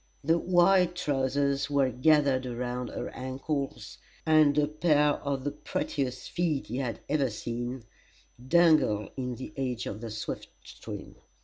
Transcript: The wide trowsers were gathered around her ankles, and a pair of the prettiest feet he had ever seen dangled in the edge of the swift stream.